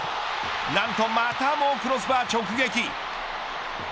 なんとまたもクロスバー直撃。